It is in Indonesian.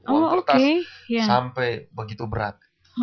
uang kertas sampai begitu berat